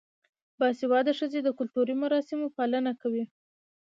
باسواده ښځې د کلتوري مراسمو پالنه کوي.